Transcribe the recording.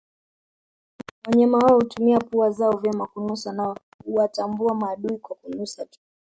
Wanyama hawa hutumia pua zao vyema kunusa na huwatambua maadui kwa kunusa tuu